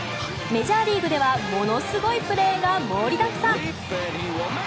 メジャーリーグではものすごいプレーが盛りだくさん。